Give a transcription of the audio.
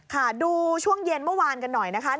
ค่ะดูช่วงเย็นเมื่อวานกันหน่อยนะคะ